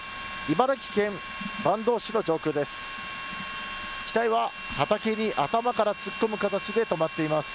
茨城県坂東市の上空です。